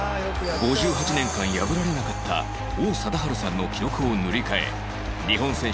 ５８年間破られなかった王貞治さんの記録を塗り替え日本選手